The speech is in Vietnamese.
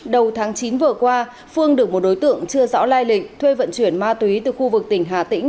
đầu tháng chín vừa qua phương được một đối tượng chưa rõ lai lịch thuê vận chuyển ma túy từ khu vực tỉnh hà tĩnh